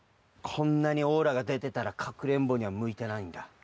こんなにオーラがでてたらかくれんぼにはむいてないんだ。